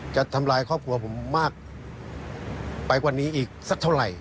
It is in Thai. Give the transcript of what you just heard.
จะทำลายครอบครัวผมมากไปกว่านี้อีกสักเท่าไหร่